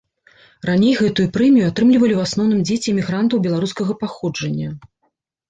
Раней гэтую прэмію атрымлівалі ў асноўным дзеці эмігрантаў беларускага паходжання.